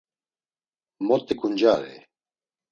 Mot̆i ǩuncyari!